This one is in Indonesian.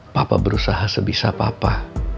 papa berusaha sebisa papa